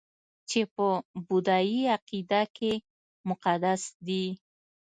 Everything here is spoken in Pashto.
چې په بودايي عقیده کې مقدس دي